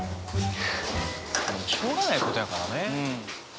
でもしょうがないことやからね。